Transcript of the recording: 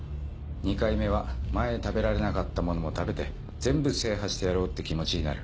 ２回目は前食べられなかったものも食べて全部制覇してやろうって気持ちになる。